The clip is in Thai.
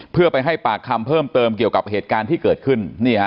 เพื่อไปให้ปากคำเพิ่มเติมเกี่ยวกับเหตุการณ์ที่เกิดขึ้น